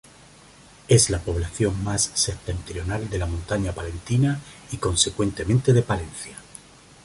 Es la población más septentrional de la Montaña Palentina, y consecuentemente, de Palencia.